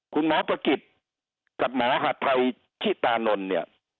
คุณหมอประกิจกับหมอหาทัยชิตานนท์เนี่ย